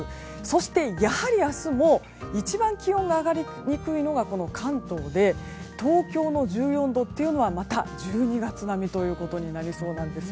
そして、やはり明日も一番気温が上がりにくいのが関東で東京の１４度っていうのは１２月並みとなりそうなんです。